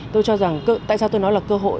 tôi cho rằng tại sao tôi nói là cơ hội